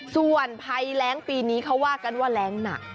ส่วนภัยแรงปีนี้เขาว่ากันว่าแรงหนัก